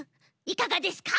いかがですか？